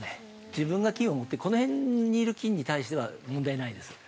自分が菌を持ってこの辺にいる菌に対しては問題ないです。